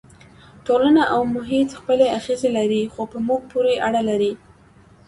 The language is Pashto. ټولنه او محیط خپلې اغېزې لري خو په موږ پورې اړه لري.